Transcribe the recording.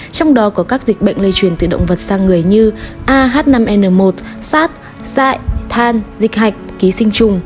trong đó có các dịch bệnh lây truyền từ động vật sang người như ah năm n một sars sại than dịch hạch ký sinh chùng